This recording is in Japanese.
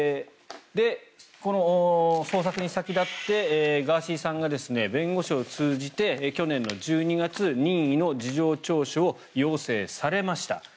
この捜索に先立ってガーシーさんが弁護士を通じて去年の１２月任意の事情聴取を要請されました。